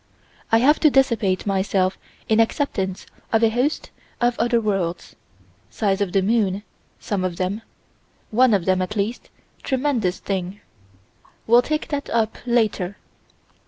I have to dissipate myself in acceptance of a host of other worlds: size of the moon, some of them: one of them, at least tremendous thing: we'll take that up later.